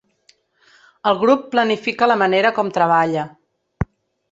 El grup planifica la manera com treballa.